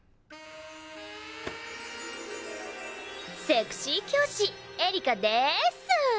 セクシー教師エリカでぇす。